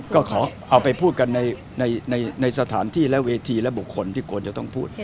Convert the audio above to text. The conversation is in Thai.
ก็ขอเอาไปพูดกันในสถานที่และเวทีและบุคคลที่ควรจะต้องพูด